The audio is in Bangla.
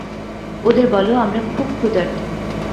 ওদের বল, আমরা খুব ক্ষুধার্থ।